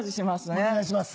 お願いします。